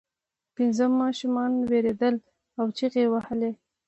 پنځه ماشومان ویرېدل او چیغې یې وهلې.